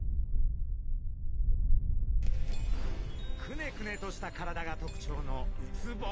くねくねとした体が特徴のウツボ。